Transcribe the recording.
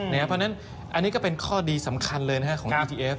เพราะฉะนั้นอันนี้ก็เป็นข้อดีสำคัญเลยนะครับ